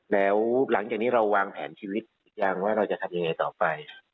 แล้วหลังจากนี้เราวางแผนชีวิตหรือยังว่าเราจะทำยังไงต่อไป